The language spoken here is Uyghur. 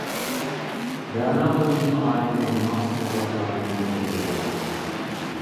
رەنا بۇ يېڭى ئائىلىگە مۇناسىپ سوۋغاتلارنى ئېلىپ كەلگەنىدى.